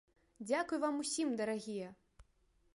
Дзякуй вам усім, дарагія!